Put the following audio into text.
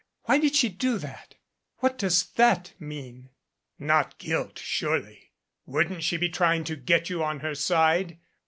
Why did she do that? What does that mean?" "Not guilt surely wouldn't she be trying to get you on her side